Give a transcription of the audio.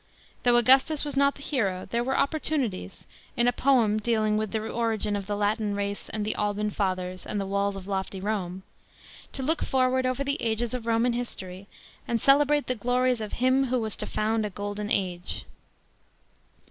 Though Augustus was not the hero, there were opportunities, in a poem doaling with the origin of " the Latin race and the Alban fathers and the walls of lofty Rome," * to look forward over the ages of Roman history and celebrate the glories of him who was to " found a golden age.